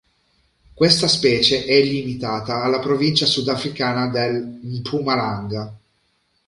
Questa specie è limitata alla provincia sudafricana del Mpumalanga.